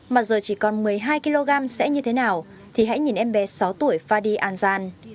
mà giờ chỉ còn một mươi hai kg sẽ như thế nào thì hãy nhìn em bé sáu tuổi fadi anjan